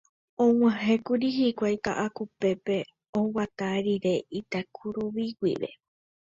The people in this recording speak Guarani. Og̃uahẽkuri hikuái Ka'akupépe oguata rire Itakuruvi guive